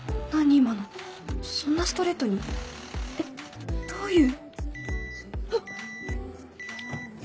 今のそんなストレートにえっどういう？